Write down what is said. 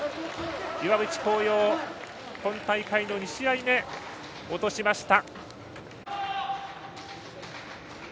岩渕幸洋、今大会の２試合目落としました。